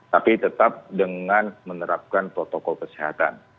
tapi tetap dengan menerapkan protokol kesehatan